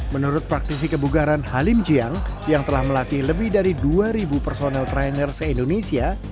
menurut praktisi kebugaran halim jiang yang telah melatih lebih dari dua personel trainer se indonesia